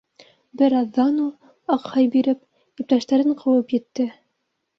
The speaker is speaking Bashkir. Бер аҙҙан ул, аҡһай биреп, иптәштәрен ҡыуып етте.